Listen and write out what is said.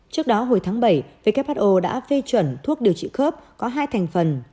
trước đó hồi tháng bảy who đã phê chuẩn thuốc điều trị khớp có hai thành phần